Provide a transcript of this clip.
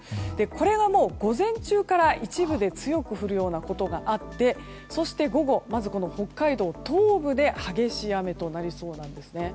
これが、午前中から一部で強く降るようなことがあってそして午後、まず北海道東部で激しい雨となりそうです。